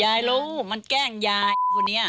ยายรู้มันแกล้งยายคนนี้